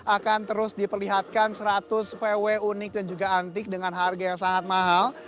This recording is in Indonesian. akan terus diperlihatkan seratus vw unik dan juga antik dengan harga yang sangat mahal